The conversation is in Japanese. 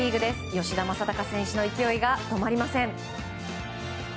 吉田正尚選手の勢いが止まりません。